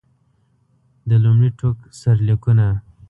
د لومړي ټوک سرلیکونه.